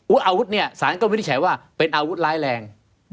อุ๊ยอาวุธนี่ศาลก็ไม่ได้ใช้ว่าเป็นอาวุธร้ายแรง